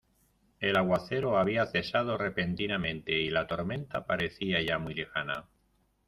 el aguacero había cesado repentinamente y la tormenta parecía ya muy lejana.